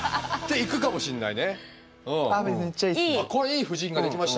あこれいい布陣が出来ました。